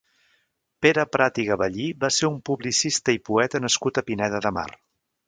Pere Prat i Gaballí va ser un publicista i poeta nascut a Pineda de Mar.